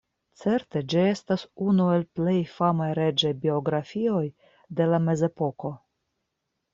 Certe ĝi estas unu el plej famaj reĝaj biografioj de la Mezepoko.